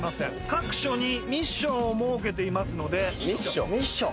各所にミッションを設けていますのでミッション？